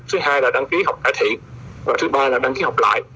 thứ hai là đăng ký học cải thiện và thứ ba là đăng ký học lại